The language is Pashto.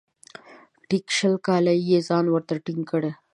ټیک شل کاله یې ځان ورته ټینګ کړ .